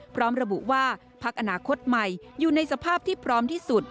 พร้อมระบุว่าพักอนาคตใหม่อยู่ในสภาพที่พร้อมที่สุด